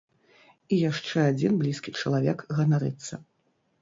І яшчэ адзін блізкі чалавек ганарыцца.